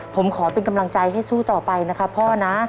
ผมขอเป็นกำลังใจให้สู้ต่อไปนะครับพ่อนะ